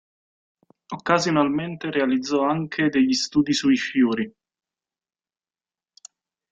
Occasionalmente realizzò anche degli studi sui fiori.